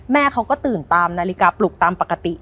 แม่เขาก็ตื่นตามนาฬิกาปลุกตามปกติ